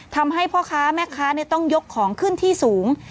ทำให้พ่อค้าแม่ค้าต้องยกของขึ้นที่สูง